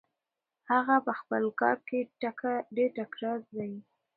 هغه په خپل کار کې ډېر تکړه دی.